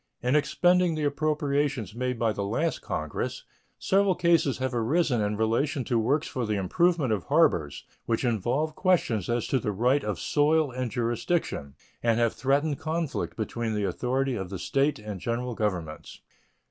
In expending the appropriations made by the last Congress several cases have arisen in relation to works for the improvement of harbors which involve questions as to the right of soil and jurisdiction, and have threatened conflict between the authority of the State and General Governments.